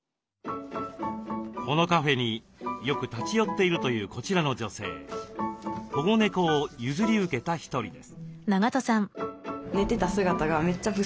このカフェによく立ち寄っているというこちらの女性保護猫を譲り受けた一人です。